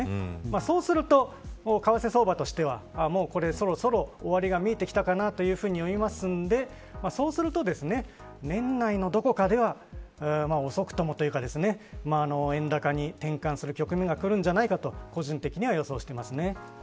そうすると為替相場としてはそろそろ終わりが見えてきたかなというふうに読むのでそうすると年内のどこかでは遅くともというか円高に転換する局面がくるんじゃないかと個人的には予想しています。